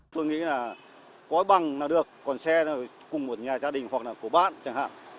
tôi nghĩ là cói bằng là được còn xe rồi cùng một nhà gia đình hoặc là của bạn chẳng hạn